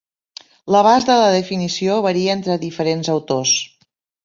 L'abast de la definició varia entre diferents autors.